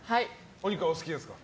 お肉はお好きですか？